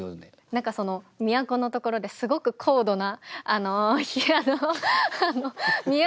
何かその「都」のところですごく高度な。